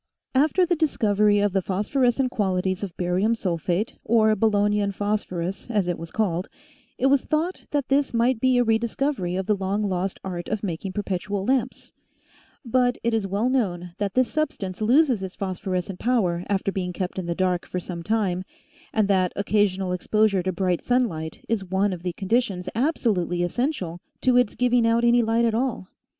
After the discovery of the phosphorescent qualities of 102 A j iTSjE^&E^EN^EOLLiEs OF SCIENCE barium sulphate or Bolognian phosphorus, as it was called, it was thought that this might be a re discovery of the long lost art of making perpetual lamps. But it is well known that this substance loses its phosphorescent power after being kept in the dark for some time, and that occa sional exposure to bright sun light is one of the conditions absolutely essential to its giving out any light at all.